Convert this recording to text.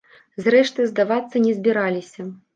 Зрэшты, здавацца не збіраліся.